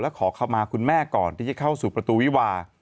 ขอเข้ามาคุณแม่ก่อนที่จะเข้าสู่ประตูวิวา